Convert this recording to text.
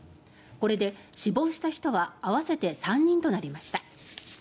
これで死亡した人は合わせて３人となりました。